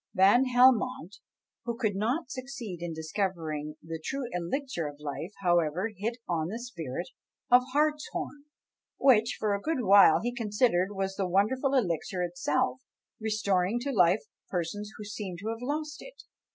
Van Helmont, who could not succeed in discovering the true elixir of life, however hit on the spirit of hartshorn, which for a good while he considered was the wonderful elixir itself, restoring to life persons who seemed to have lost it.